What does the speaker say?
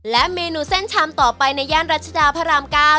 และเมนูเส้นชามต่อไปในย่านรัชดาพระราม๙